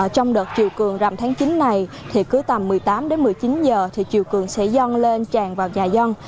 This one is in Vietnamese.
trong đợt trừ cường rằm tháng chín này cứ tầm một mươi tám đến một mươi chín giờ trừ cường sẽ dân lên tràn vào nhà dân